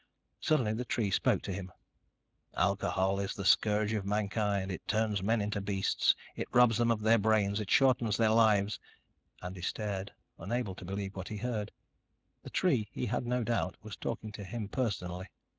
Suddenly the tree spoke to him: "Alcohol is the scourge of mankind. It turns men into beasts. It robs them of their brains, it shortens their lives ..." Andy stared, unable to believe what he heard. The tree, he had no doubt, was talking to him personally.